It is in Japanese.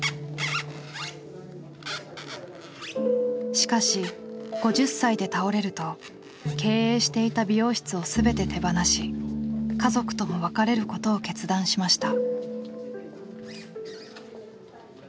しかし５０歳で倒れると経営していた美容室を全て手放し家族とも別れることを決断しました。